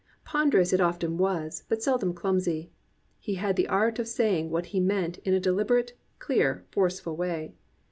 Ponderous it often was, but seldom clumsy. He had the art of saying what he meant in a deliber ate, clear, forceful way.